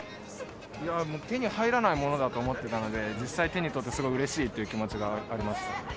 手に入らないものだと思ってたので、実際手に取れてすごいうれしいという気持ちがあります。